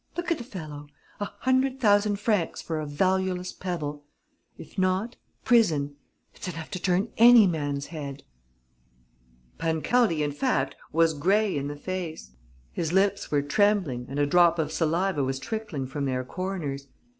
Look at the fellow! A hundred thousand francs for a valueless pebble ... if not, prison: it's enough to turn any man's head!" Pancaldi, in fact, was grey in the face; his lips were trembling and a drop of saliva was trickling from their corners.